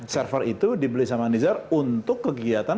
server itu dibeli sama nizar untuk kegiatan